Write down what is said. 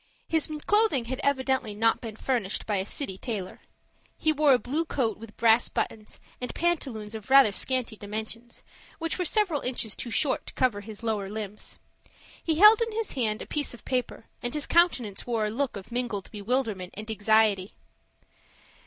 His clothing had evidently not been furnished by a city tailor. He wore a blue coat with brass buttons, and pantaloons of rather scanty dimensions, which were several inches too short to cover his lower limbs. He held in his hand a piece of paper, and his countenance wore a look of mingled bewilderment and anxiety.